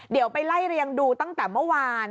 เดี๋ยวไปไล่เรียงดูตั้งแต่เมื่อวาน